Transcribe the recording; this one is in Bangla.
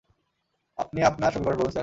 আপনি আপনার সমীকরণ বলুন স্যার।